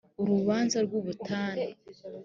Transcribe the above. urubanza rw’ubutane